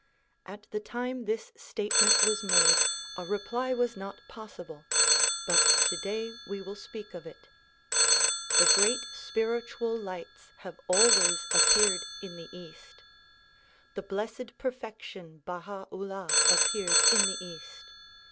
At the time this state ment was made a reply was not possible but today we will speak of it. The great spiritual lights have always appeared in the east. The Blessed Perfection Baiia 'Ullah appeared in the east.